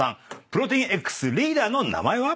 プロテインＸリーダーの名前は？